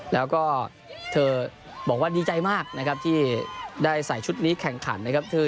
แล้วก็เธอบอกว่าดีใจมากนะครับที่ได้ใส่ชุดนี้แข่งขันนะครับ